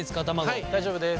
はい大丈夫です。